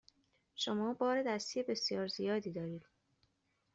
شما بار دستی بسیار زیادی دارید.